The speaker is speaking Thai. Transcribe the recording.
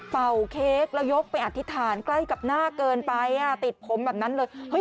เค้กแล้วยกไปอธิษฐานใกล้กับหน้าเกินไปติดผมแบบนั้นเลย